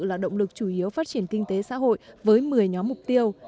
là động lực chủ yếu phát triển kinh tế xã hội với một mươi nhóm mục tiêu